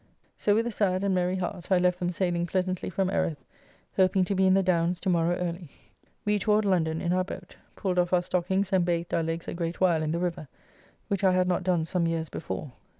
So with a sad and merry heart I left them sailing pleasantly from Erith, hoping to be in the Downs tomorrow early. We toward London in our boat. Pulled off our stockings and bathed our legs a great while in the river, which I had not done some years before.